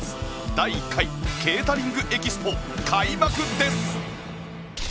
第１回ケータリング ＥＸＰＯ 開幕です！